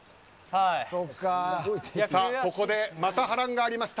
ここで、また波乱がありました。